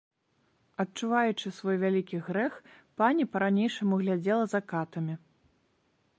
Адчуваючы свой вялікі грэх, пані па-ранейшаму глядзела за катамі.